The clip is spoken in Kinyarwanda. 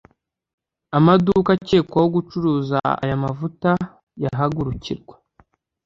amaduka akekwaho gucuruza aya mavuta yahagurukirwa